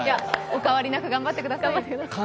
お変わりなく頑張ってください。